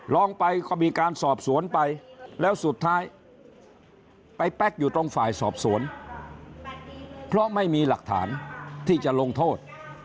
ร้องไปก็มีการสอบสวนไปแล้วสุดท้ายไปแป๊กอยู่ตรงฝ่ายสอบสวนเพราะไม่มีหลักฐานที่จะลงโทษ